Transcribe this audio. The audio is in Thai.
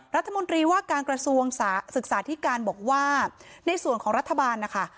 รัฐมนตรีว่าการกระทรวงศึกษาธิการบอกว่าในส่วนของรัฐบาลนะคะ